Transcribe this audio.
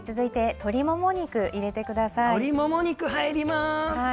鶏もも肉を入れます。